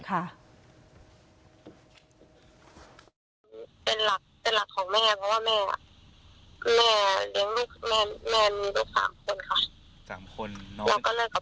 เป็นหลักเป็นหลักของแม่เพราะแม่เธอเลี้ยง๓คน